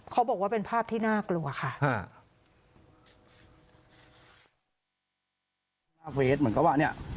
เขาบอกว่าเป็นภาพที่น่ากลัวค่ะ